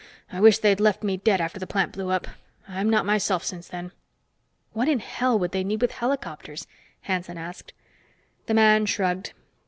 "I wish they'd left me dead after the plant blew up. I'm not myself since then." "What in hell would they need with helicopters?" Hanson asked. The man shrugged.